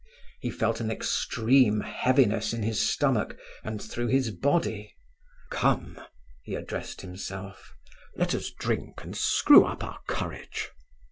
He felt an extreme heaviness in his stomach and through his body. "Come!" he addressed himself, "let us drink and screw up our courage."